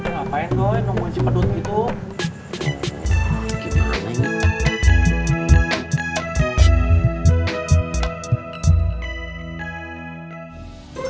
ngapain doi nunggu isi pedun gitu